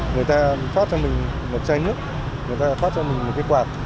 người ta phát cho mình một chai nước người ta phát cho mình một cái quạt